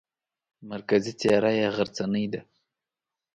مرکزي څېره یې غرڅنۍ ده.